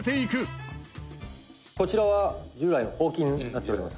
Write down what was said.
「こちらは従来のホウキになっております」